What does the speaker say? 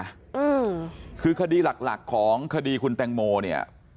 เป็นปริศนาอืมคือคดีหลักหลักของคดีคุณแตงโมเนี่ย